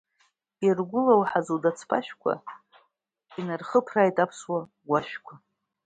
Иргәылоуҳаз удац-ԥашәқәа, инырхыԥрааит аԥсуа гәашәқәа.